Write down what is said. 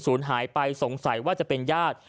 สูญหายไปสงสัยว่าจะเป็นย่าด